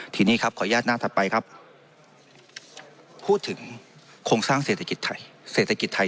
ทีนี้ครับขออนุญาตหน้าต่อไปครับพูดถึงโครงสร้างเศรษฐกิจไทย